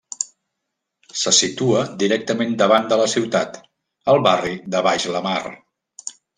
Se situa directament davant de la ciutat, al barri de Baix la Mar.